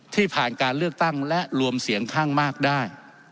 ที่ผ่านการเลือกตั้งและรวมเสียงข้างมากได้